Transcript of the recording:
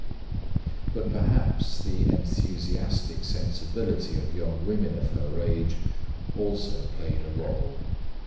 But perhaps the enthusiastic sensibility of young women of her age also played a role.